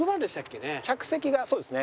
客席がそうですね